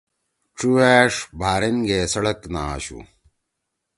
چُوأݜ بحرین گے سڑک نہ آشُو۔